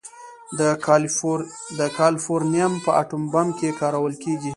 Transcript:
د کالیفورنیم په اټوم بم کې کارول کېږي.